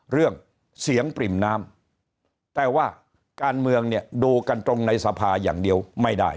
เรื่องเสียงปริ่มน้ำแต่ว่าการเมืองเนี่ยดูกันตรงในสภาอย่างเดียวไม่ได้